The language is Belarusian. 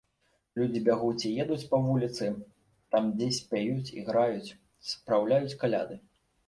Людзі бягуць і едуць па вуліцы, там дзесь пяюць, іграюць, спраўляюць каляды.